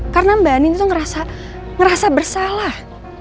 karena mbak andin itu ngerasa bersalah